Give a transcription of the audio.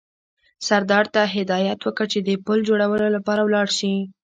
سردار ته هدایت وکړ چې د پل جوړولو لپاره ولاړ شي.